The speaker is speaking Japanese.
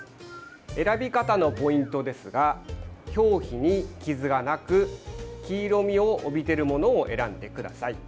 選び方のポイントですが表皮に傷がなく黄色みを帯びているものを選んでください。